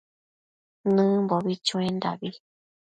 Nëbimbo chuendabi